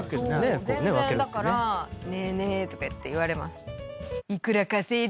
全然だから。とかって言われます。